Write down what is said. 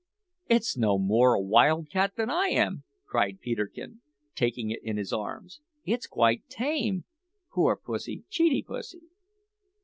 "It's no more a wild cat than I am!" cried Peterkin, taking it in his arms; "it's quite tame. Poor pussy! cheetie pussy!"